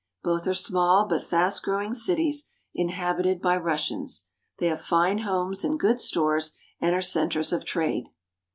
Both are small but fast growing cities, inhabited by Russians. They have fine homes and good stores and are centers of trade.